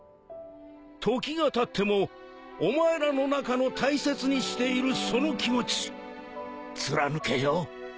時がたってもお前らの中の大切にしているその気持ち貫けよ